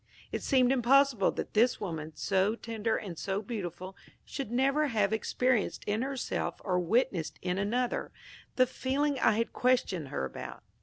It seemed impossible that this woman, so tender and so beautiful, should never have experienced in herself or witnessed in another, the feeling I had questioned her about.